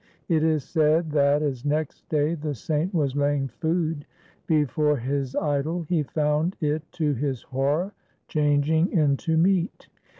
It is said that, as next day the saint was laying food before his idol, he found it to his horror changing into meat.